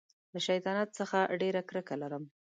له شیطانت څخه ډېره کرکه لرم.